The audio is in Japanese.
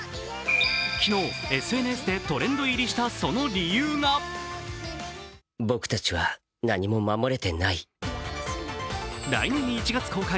昨日、ＳＮＳでトレンド入りしたその理由が来年１月公開